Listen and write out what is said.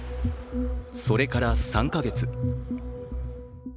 それから３か月。